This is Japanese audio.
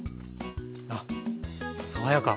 あっ爽やか。